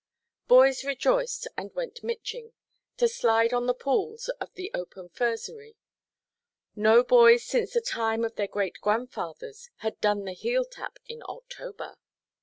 Boys rejoiced, and went mitching, to slide on the pools of the open furzery: no boys since the time of their great–grandfathers had done the heel–tap in October.